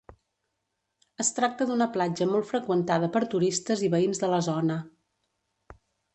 Es tracta d'una platja molt freqüentada per turistes i veïns de la zona.